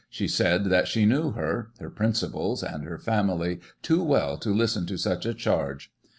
She said that she knew her, her principles, and her family too well to listen to such a charge.